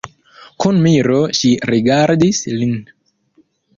Kun miro ŝi rigardis lin.